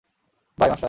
By, master.